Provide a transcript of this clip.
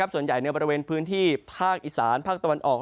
ส่วนใหญ่ในบริเวณพื้นที่ภาคอีสานภาคตะวันออก